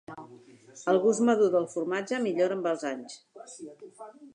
El gust madur del formatge millora amb els anys.